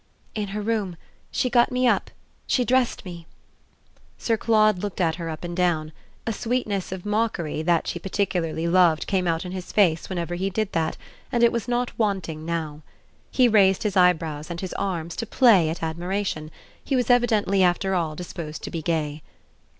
"In her room. She got me up she dressed me." Sir Claude looked at her up and down; a sweetness of mockery that she particularly loved came out in his face whenever he did that, and it was not wanting now. He raised his eyebrows and his arms to play at admiration; he was evidently after all disposed to be gay.